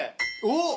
おっ！